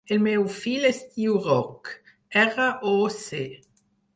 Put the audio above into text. El meu fill es diu Roc: erra, o, ce.